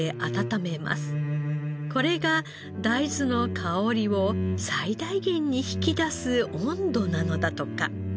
これが大豆の香りを最大限に引き出す温度なのだとか。